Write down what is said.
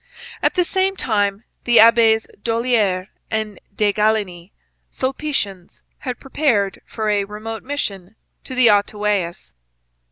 At the same time the Abbes Dollier and de Galinee, Sulpicians, had prepared for a remote mission to the Outaouais.